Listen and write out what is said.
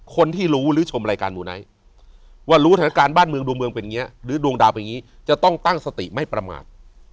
คนที่รู้หรือชมรายการมูไนท์ว่ารู้สถานการณ์บ้านเมืองดวงเมืองเป็นอย่างนี้หรือดวงดาวเป็นอย่างนี้จะต้องตั้งสติไม่ประมาท